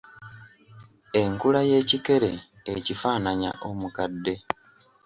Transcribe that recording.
Enkula y’ekikere ekifaananya omukadde.